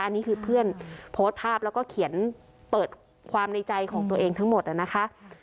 อันนี้คือเพื่อนโพสต์ภาพแล้วก็เขียนเปิดความในใจของตัวเองทั้งหมดนะคะ